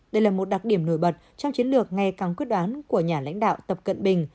đây là một đặc điểm nổi bật trong chiến lược ngày càng quyết đoán của nhà lãnh đạo tập cận bình